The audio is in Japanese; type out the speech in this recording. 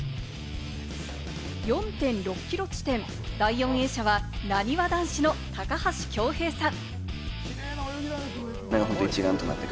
４．６ｋｍ地点、第４泳者はなにわ男子の高橋恭平さん。